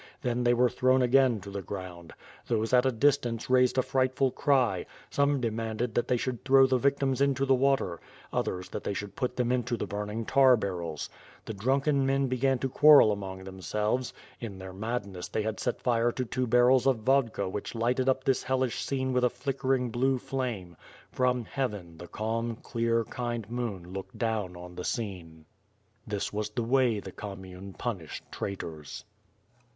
Then they were thrown again to the ground. Those at a distance raised a frightful cry. Some demanded that they should throw the victims into the water; others, that they should put them into the burning tar barrels. The drunken men began to quarrel among themselves. In their madness they had set fire to two barrels of vodka which lighted up this hellish scene with a flickering blue flame; from heaven, the calm, clear, kind moon looked down on the scene. This was the way the commune punished traitors.